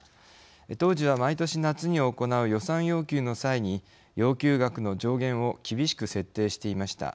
当時は毎年夏に行う予算要求の際に要求額の上限を厳しく設定していました。